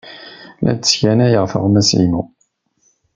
La d-sskanayeɣ tuɣmas-inu.